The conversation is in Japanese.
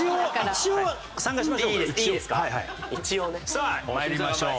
さあ参りましょう。